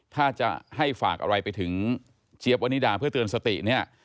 ถ้าจะให้ฝากอะไรไปถึงเจี๊ยบวนิดาเพื่อเตือนสติเนี่ย